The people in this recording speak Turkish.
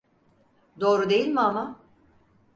Doğru değil mi ama?